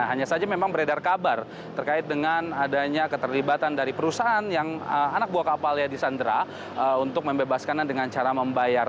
hanya saja memang beredar kabar terkait dengan adanya keterlibatan dari perusahaan yang anak buah kapalnya disandera untuk membebaskannya dengan cara membayar